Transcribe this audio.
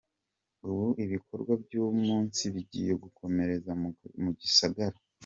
Ubu ibikorwa by’umunsi bigiye gukomereza mu ka Gisagara.